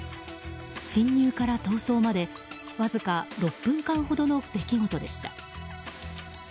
侵入から逃走までわずか６分間ほどの出来事でした。